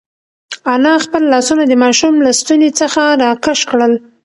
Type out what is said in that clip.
انا خپل لاسونه د ماشوم له ستوني څخه راکش کړل.